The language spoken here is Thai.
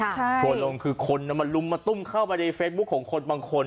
ถั่วลงคือคนมาลุมมาตุ้มเข้าไปในเฟซบุ๊คของคนบางคน